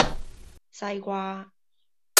西瓜